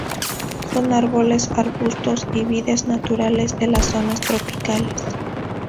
Son árboles, arbustos y vides naturales de las zonas tropicales.